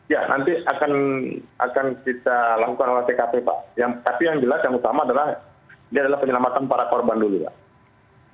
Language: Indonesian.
ya nanti akan kita lakukan olah tkp pak tapi yang jelas yang utama adalah ini adalah penyelamatan para korban dulu pak